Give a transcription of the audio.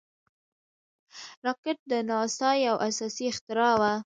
راکټ د ناسا یو اساسي اختراع وه